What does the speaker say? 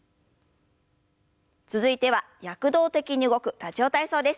続いては躍動的に動く「ラジオ体操」です。